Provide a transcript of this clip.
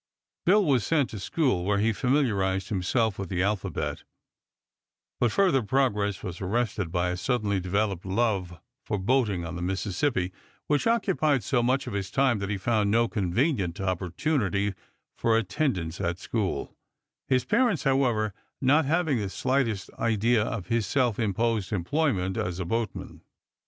Bill was sent to school, where he familiarized himself with the alphabet; but further progress was arrested by a suddenly developed love for boating on the Mississippi, which occupied so much of his time that he found no convenient opportunity for attendance at school, his parents, however, not having the slightest idea of his self imposed employment as a boatman.